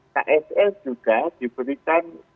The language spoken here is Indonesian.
kss juga diberikan